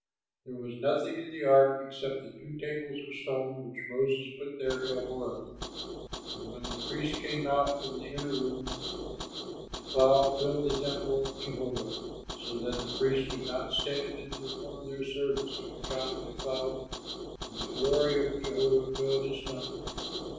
There was nothing in the ark except the two tables of stone which Moses put there at Horeb. And when the priests came out from the inner room, the cloud filled the temple of Jehovah, so that the priests could not stand and perform their service on account of the cloud, for the glory of Jehovah filled his temple.